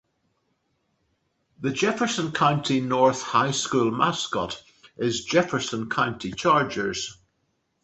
The Jefferson County North High School mascot is Jefferson County Chargers.